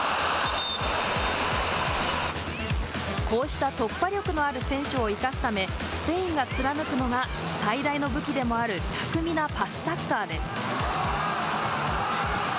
こうした突破力のある選手を生かすためスペインが貫くのが最大の武器でもある巧みなパスサッカーです。